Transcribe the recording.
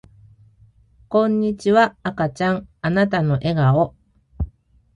こんにちは赤ちゃんあなたの笑顔